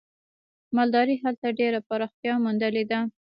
مالدارۍ هلته ډېره پراختیا موندلې ده.